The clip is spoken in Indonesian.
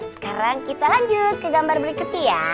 sekarang kita lanjut ke gambar berikutnya